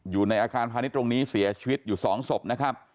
อยู่ในอาคารพาณิชย์ตรงนี้เสียชีวิตอยู่๒ศพนะครับ